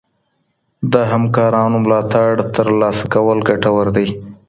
د همکارانو ملاتړ ترلاسه کول ګټور دی.